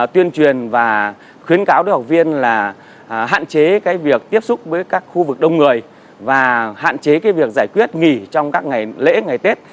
tuyên truyền và khuyến cáo được học viên là hạn chế việc tiếp xúc với các khu vực đông người và hạn chế việc giải quyết nghỉ trong các ngày lễ ngày tết